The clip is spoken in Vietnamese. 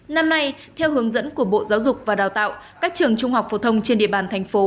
năm nay theo hướng dẫn của bộ giáo dục và đào tạo các trường trung học phổ thông trên địa bàn thành phố